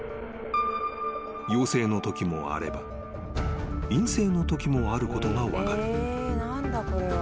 ［陽性のときもあれば陰性のときもあることが分かる］